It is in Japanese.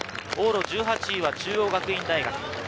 往路１８位は中央学院大学。